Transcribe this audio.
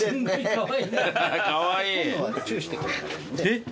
えっ？